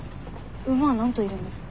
馬は何頭いるんですか？